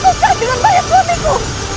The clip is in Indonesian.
aku tidak bisa jalan wami ku